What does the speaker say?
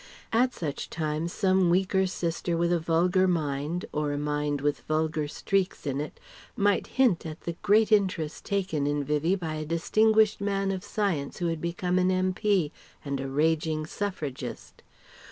At such times some weaker sister with a vulgar mind, or a mind with vulgar streaks in it, might hint at the great interest taken in Vivie by a distinguished man of science who had become an M.P. and a raging suffragist.